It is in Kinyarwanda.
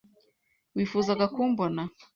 Wifuzaga kumbona?